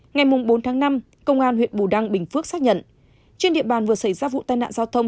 ngày bốn tháng năm công an huyện bù đăng bình phước xác nhận trên địa bàn vừa xảy ra vụ tai nạn giao thông